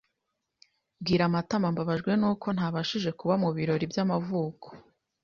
Bwira Matama Mbabajwe nuko ntabashije kuba mubirori by'amavuko.